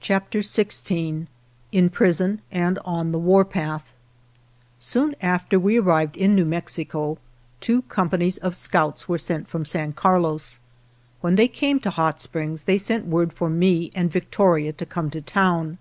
ISO XVI IN PRISON AND ON THE WARPATH SOON after we arrived in New Mexico two companies of scouts were sent from San Carlos. When they came to Hot Springs they sent word for me and Victoria to come to town.